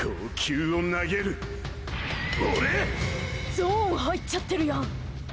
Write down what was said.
ゾーン入っちゃってるやん！